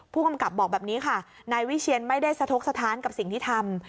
ผู้กำกับบอกแบบนี้ค่ะนายวิเชียนไม่ได้สะทกสถานกับสิ่งที่ทำ